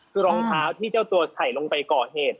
คือรองเท้าที่เจ้าตัวใส่ลงไปก่อเหตุ